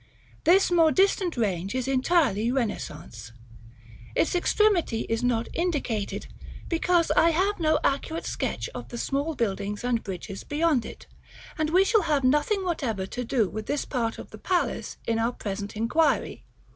This more distant range is entirely Renaissance: its extremity is not indicated, because I have no accurate sketch of the small buildings and bridges beyond it, and we shall have nothing whatever to do with this part of the palace in our present inquiry.